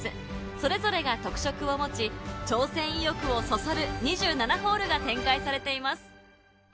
それぞれが特色を持ち挑戦意欲をそそる２７ホールが展開されています